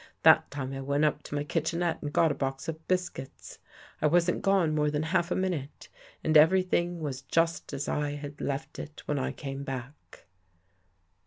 That time I went up to my kitchenette and got a box of biscuits. I wasn't gone more than half a minute and everything was just as I had left it when I came back.